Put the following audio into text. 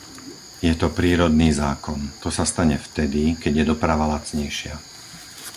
To je prírodný zákon, to sa stane vtedy, keď je doprava lacnejšia.